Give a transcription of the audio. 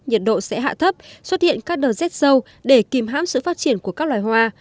nhiệt độ sẽ hạ thấp xuất hiện các đợt rét sâu để kìm hãm sự phát triển của các loài hoa